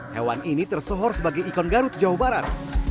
hewan ini tersohor sebagai ikon garut jawa barat